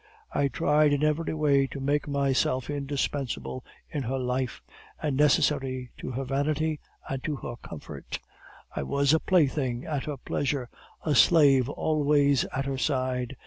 I tried in every way to make myself indispensable in her life, and necessary to her vanity and to her comfort; I was a plaything at her pleasure, a slave always at her side.